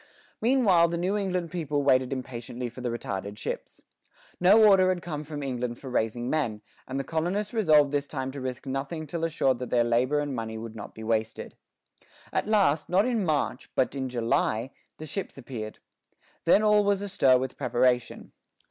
Meanwhile, the New England people waited impatiently for the retarded ships. No order had come from England for raising men, and the colonists resolved this time to risk nothing till assured that their labor and money would not be wasted. At last, not in March, but in July, the ships appeared. Then all was astir with preparation.